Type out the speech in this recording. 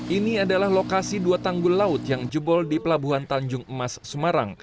ini adalah lokasi dua tanggul laut yang jebol di pelabuhan tanjung emas semarang